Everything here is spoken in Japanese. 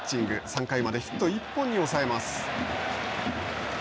３回までヒット一本に抑えます。